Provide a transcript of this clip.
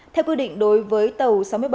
theo quy định đối với tàu sáu mươi bảy